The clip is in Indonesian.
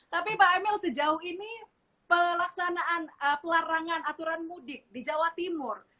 tapi pak emil sejauh ini pelaksanaan pelarangan aturan mudik di jawa timur